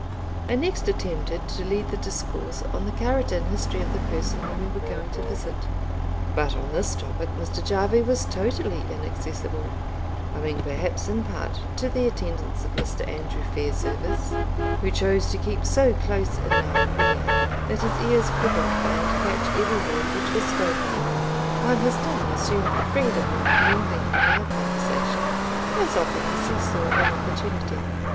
I next attempted to lead the discourse on the character and history of the person whom we were going to visit; but on this topic Mr. Jarvie was totally inaccessible, owing perhaps in part to the attendance of Mr. Andrew Fairservice, who chose to keep so close in our rear that his ears could not fail to catch every word which was spoken, while his tongue assumed the freedom of mingling in our conversation as often as he saw an opportunity.